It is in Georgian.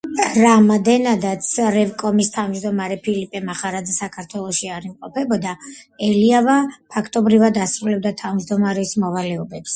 რამდენადაც რევკომის თავმჯდომარე ფილიპე მახარაძე საქართველოში არ იმყოფებოდა, ელიავა ფაქტობრივად ასრულებდა თავმჯდომარის მოვალეობებს.